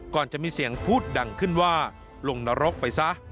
ก่อนจะมีเสียงพูดดังขึ้นว่าลงนรกไปซะ